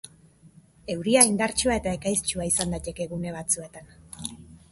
Euria indartsua eta ekaiztsua izan daiteke gune batzuetan.